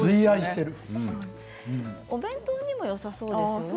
お弁当にもよさそうですね。